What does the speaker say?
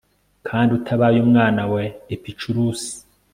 kandi, utabaye umwana wa epicurusi